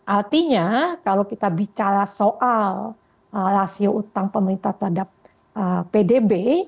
artinya kalau kita bicara soal lasio utang pemerintah terhadap pdb